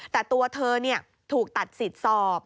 แต่ตัวเธอถูกตัดสิทธิ์สอบ